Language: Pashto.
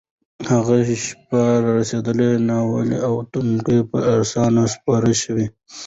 هغه شېبه راورسېده؛ ناوې او ټونګره پر آسونو سپرې شوې